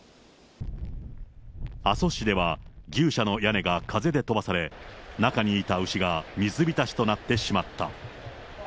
阿蘇市では牛舎の屋根が風で飛ばされ、中にいた牛が水浸しとなってしまった。